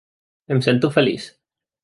Em sento feliç!